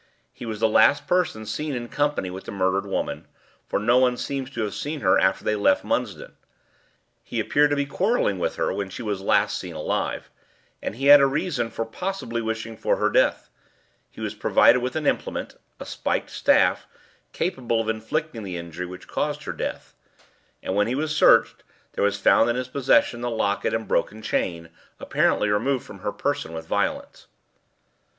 He was the last person seen in company with the murdered woman for no one seems to have seen her after they left Munsden; he appeared to be quarrelling with her when she was last seen alive, he had a reason for possibly wishing for her death, he was provided with an implement a spiked staff capable of inflicting the injury which caused her death, and, when he was searched, there was found in his possession the locket and broken chain, apparently removed from her person with violence.